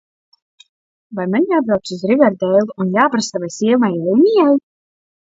Vai man jābrauc uz Riverdeilu un jāprasa tavai sievai Eimijai?